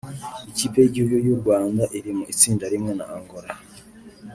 Ikipe y’igihugu y’u Rwanda iri mu itsinda rimwe na Angola